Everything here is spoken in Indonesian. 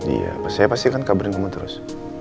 iya saya pastikan kabarin kamu terus